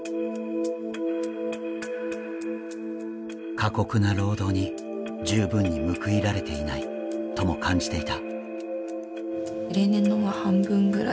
過酷な労働に十分に報いられていないとも感じていた。